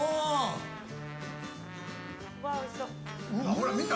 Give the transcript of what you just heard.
ほら、見た？